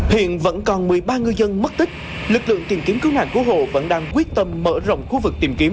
hiện vẫn còn một mươi ba ngư dân mất tích lực lượng tìm kiếm cứu nạn cứu hộ vẫn đang quyết tâm mở rộng khu vực tìm kiếm